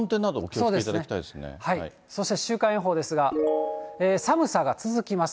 そうですね、はい、そして週間予報ですが、寒さが続きます。